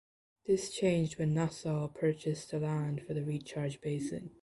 This changed when Nassau purchased the land for the recharge basin.